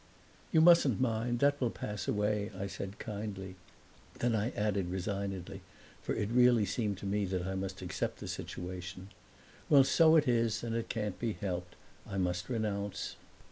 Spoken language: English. "You mustn't mind; that will pass away," I said, kindly. Then I added, resignedly, for it really seemed to me that I must accept the situation, "Well, so it is, and it can't be helped. I must renounce."